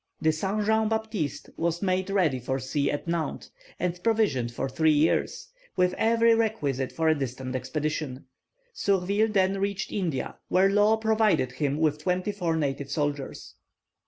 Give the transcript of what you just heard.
The Saint Jean Baptiste was made ready for sea at Nantes, and provisioned for three years, with every requisite for a distant expedition. Surville then reached India, where Law provided him with twenty four native soldiers.